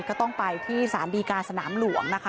ก็ต้องไปที่สารดีการสนามหลวงนะคะ